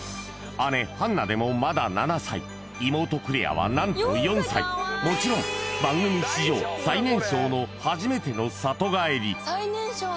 姉・ハンナでもまだ７歳妹・クレアは何と４歳もちろん番組史上最年少の初めての里帰り